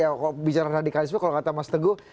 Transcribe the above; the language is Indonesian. ya kalau bicara radikalisme kalau kata mas teguh